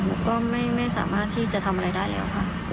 หนูก็ไม่สามารถที่จะทำอะไรได้แล้วค่ะ